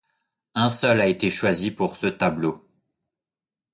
Un seul a été choisi pour ce tableau.